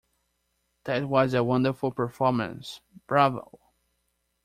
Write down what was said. That was a wonderful performance! Bravo!.